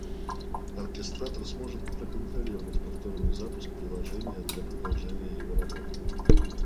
Оркестратор сможет проконтролировать повторный запуск приложения для продолжения его работы